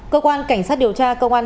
cơ quan cảnh sát điều tra công an